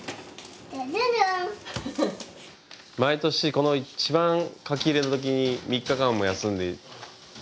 毎年この一番書き入れ時に３日間も休んで。